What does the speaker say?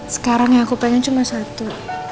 sekarang yang aku pengen cuma satu